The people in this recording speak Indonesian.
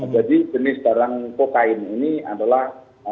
jadi jenis barang kokain ini adalah